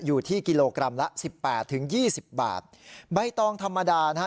อยู่ที่กิโลกรัมละสิบแปดถึงยี่สิบบาทใบตองธรรมดานะฮะ